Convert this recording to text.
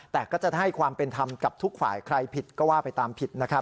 แต่ก็จะให้ความเป็นธรรมกับทุกฝ่ายใครผิดก็ว่าไปตามผิดนะครับ